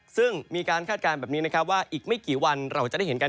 ซึ่งมีการคาดการณ์แบบนี้นะครับว่าอีกไม่กี่วันเราจะได้เห็นกัน